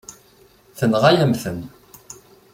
Tenɣa-yam-ten.